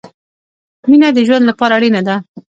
مينه د ژوند له پاره اړينه ده